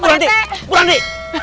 bu ranti bu ranti